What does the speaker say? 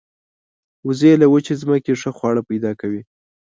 وزې له وچې ځمکې ښه خواړه پیدا کوي